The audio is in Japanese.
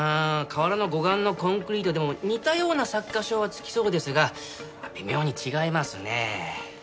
河原の護岸のコンクリートでも似たような擦過傷は付きそうですが微妙に違いますねえ。